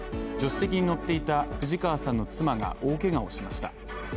助手席に乗っていた藤川さんの妻が大けがをしました。